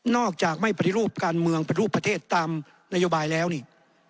อกจากไม่ปฏิรูปการเมืองปฏิรูปประเทศตามนโยบายแล้วนี่